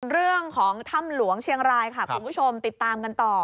เรื่องของถ้ำหลวงเชียงรายค่ะคุณผู้ชมติดตามกันต่อ